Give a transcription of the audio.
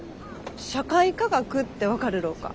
社会科学って分かるろうか？